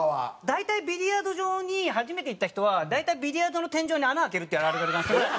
大体ビリヤード場に初めて行った人は大体ビリヤードの天井に穴開けるっていうあるあるがあるんですよね。